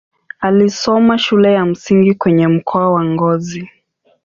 Alisoma shule ya msingi kwenye mkoa wa Ngozi.